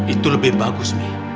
itu lebih bagus mi